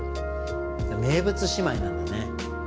名物姉妹なんだね